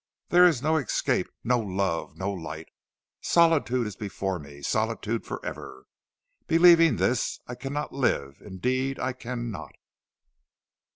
There is no escape; no love, no light. Solitude is before me; solitude forever. Believing this, I cannot live; indeed I cannot!"